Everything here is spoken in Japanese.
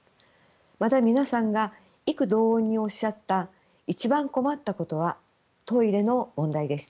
また皆さんが異口同音におっしゃった一番困ったことはトイレの問題でした。